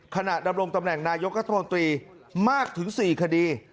ดำรงตำแหน่งนายกรัฐมนตรีมากถึง๔คดี